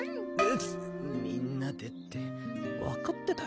みんなでって分かってたよ